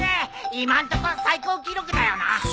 今んとこ最高記録だよな。